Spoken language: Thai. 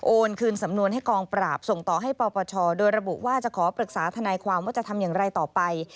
คืนสำนวนให้กองปราบส่งต่อให้ปปชโดยระบุว่าจะขอปรึกษาทนายความว่าจะทำอย่างไรต่อไป